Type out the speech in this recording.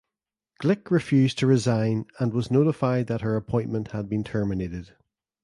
Glick refused to resign and was notified that her appointment had been terminated.